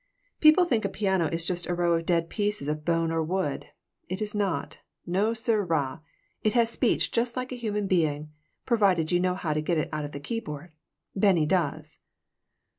People think a piano is just a row of dead pieces of bone or wood. It is not. No, sirrah. It has speech just like a human being, provided you know how to get it out of the keyboard. Bennie does."